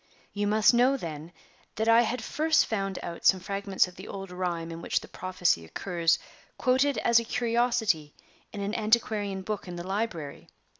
"You must know, then, that I had first found out some fragments of the old rhyme in which the prophecy occurs quoted as a curiosity in an antiquarian book in the library.